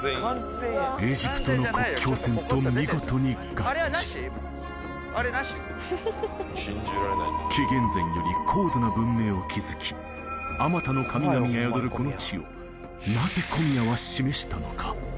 エジプトの紀元前より高度な文明を築きあまたの神々が宿るこの地をなぜ小宮は示したのか？